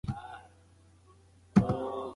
کله به ته ښوونځي ته ځې؟